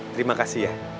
terima kasih ya